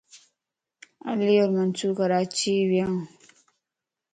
علي اور منصور ڪراچي ويان